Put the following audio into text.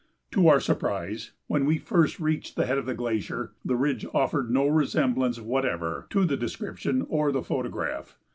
To our surprise, when we first reached the head of the glacier, the ridge offered no resemblance whatever to the description or the photograph.